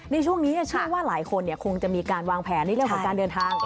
ในช่วงนี้เชื่อว่าหลายคนคงจะมีการวางแผนในเรื่องของการเดินทาง